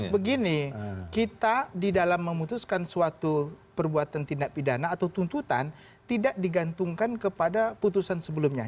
begini kita di dalam memutuskan suatu perbuatan tindak pidana atau tuntutan tidak digantungkan kepada putusan sebelumnya